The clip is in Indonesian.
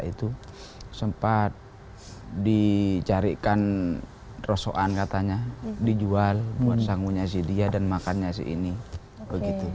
itu sempat dicarikan rosokan katanya dijual buat sangunya si dia dan makannya si ini begitu